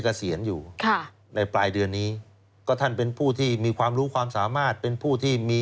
คือท่านเจ๊เปลี่ยนอยู่